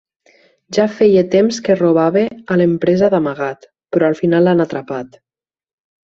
Ja feia temps que robava a l'empresa d'amagat, però al final l'han atrapat.